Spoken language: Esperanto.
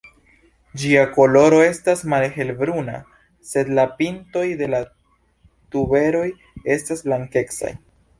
Ĝia koloro estas malhel-bruna sed la pintoj de la tuberoj estas blankecaj.